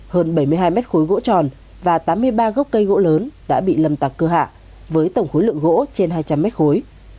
hơn bảy mươi hai mét khối gỗ tròn và tám mươi ba gốc cây gỗ lớn đã bị lâm tặc cưa hạ với tổng khối lượng gỗ trên hai trăm linh mét khối